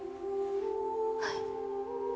はい。